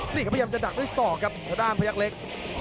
นี่ครับพยายามจะดักด้วยศอกครับทางด้านพยักษ์เล็ก